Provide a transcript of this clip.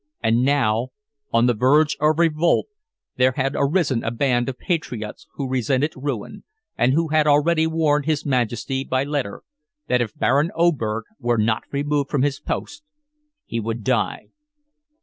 And now, on the verge of revolt, there had arisen a band of patriots who resented ruin, and who had already warned his Majesty by letter that if Baron Oberg were not removed from his post he would die.